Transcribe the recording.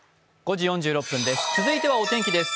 続いては、お天気です。